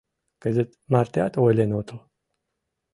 — Кызыт мартеат ойлен отыл?